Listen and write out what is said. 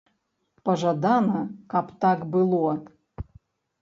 Пажадана, каб так было.